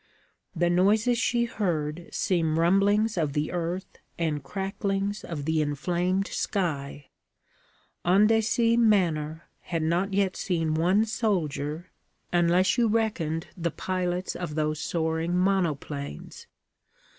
The noises she heard seemed rumblings of the earth and cracklings of the inflamed sky. Andecy manor had not yet seen one soldier, unless you reckoned the pilots of those soaring monoplanes.